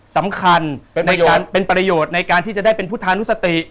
สำคัญเป็นประโยชน์เป็นประโยชน์ในการที่จะได้เป็นพุทธานุจตริ